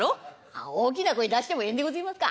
「あ大きな声出してもええんでごぜえますか。